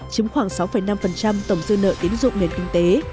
chiếm khoảng sáu năm tổng dư nợ tiến dụng nền kinh tế